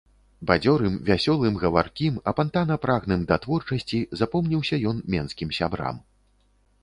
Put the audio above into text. Бадзёрым, вясёлым, гаваркім, апантана прагным да творчасці запомніўся ён менскім сябрам.